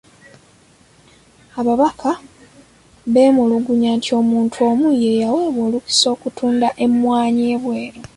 Ababaka beemulugunyizza nti omuntu omu ye yaweebwa olukusa okutunda emmwanyi ebweru.